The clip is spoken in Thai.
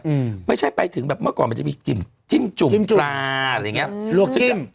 อืมไม่ใช่ไปถึงแบบเมื่อก่อนมันจะมีจิ่มจิ้มจุ่มปลาอะไรอย่างเงี้ยลวกเส้นเนี้ย